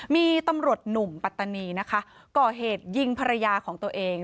มีตำรวจหนุ่มปัตตานีนะคะก่อเหตุยิงภรรยาของตัวเอง